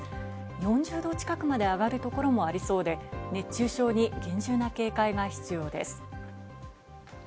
４０度近くまで上がるところもありそうで、熱中症に厳重な警戒が必要です。